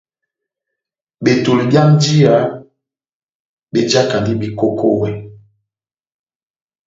Betoli byá njiya bejakandi bekokowɛ.